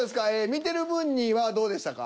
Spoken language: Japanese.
見てる分にはどうでしたか？